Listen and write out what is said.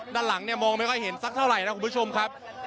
ด้านหลังเนี่ยมองไม่ค่อยเห็นสักเท่าไหร่นะคุณผู้ชมครับ